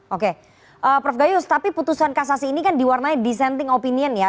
oke prof gayus tapi putusan kasasi ini kan diwarnai dissenting opinion ya